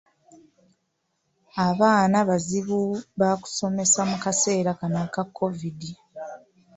Abaana bazibu baakusomesa mu kaseera kano aka COVID.